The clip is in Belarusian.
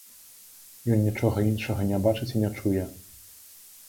Ён нічога іншага не бачыць і не чуе.